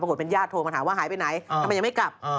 เป็นญาติโทรมาถามว่าหายไปไหนทำไมยังไม่กลับ